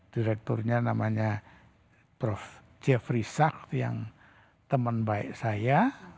direkturnya namanya prof jeffrey sak yang teman baik saya